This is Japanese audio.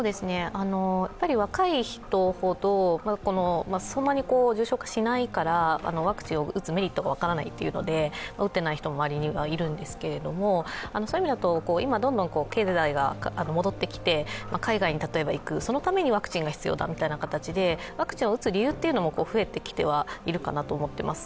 若い人ほど、そんなに重症化しないからワクチンを打つメリットが分からないというので打っていない人も周りにはいるんですけれども、今、どんどん経済が戻ってきて、例えば海外に行く、そのためにワクチンが必要だみたいな形でワクチンを打つ理由も増えてきてはいるかなと思っています。